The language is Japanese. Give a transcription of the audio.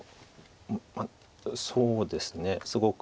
そうですねすごく。